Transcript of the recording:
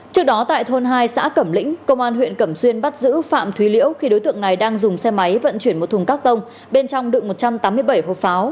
trước đó tại thôn hai xã cẩm lĩnh công an huyện cẩm xuyên bắt giữ phạm thúy liễu khi đối tượng này đang dùng xe máy vận chuyển một thùng các tông bên trong đựng một trăm tám mươi bảy hộp pháo